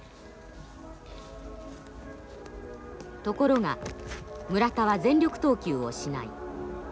ところが村田は全力投球をしない。